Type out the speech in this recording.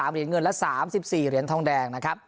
เหรียญเงินละ๓๔เหรียญทองแดงนะครับ